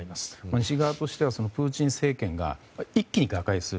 西側としてはプーチン政権が一気に瓦解する。